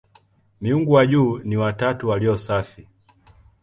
Miungu wa juu ni "watatu walio safi".